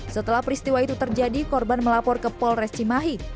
setelah peristiwa itu terjadi korban melapor ke polres cimahi